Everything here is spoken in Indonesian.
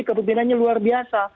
keputinannya luar biasa